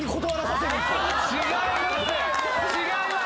違います！